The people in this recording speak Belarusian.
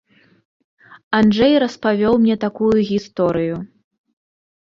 Анджэй распавёў мне такую гісторыю.